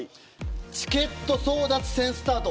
チケット争奪戦スタート